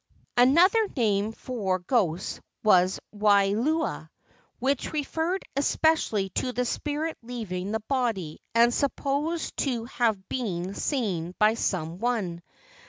Another name for ghosts was wai lua, which referred especially to the spirit leaving the body and supposed to have been seen by some one.